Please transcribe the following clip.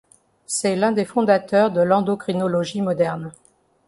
C'est l'un des fondateurs de l'endocrinologie moderne.